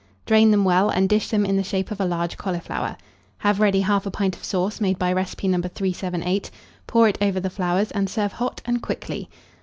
Drain them well, and dish them in the shape of a large cauliflower. Have ready 1/2 pint of sauce, made by recipe No. 378, pour it over the flowers, and serve hot and quickly.